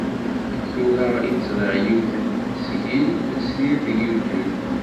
Tura i d-ẓriɣ yiwet n tesgilt srid deg Youtube.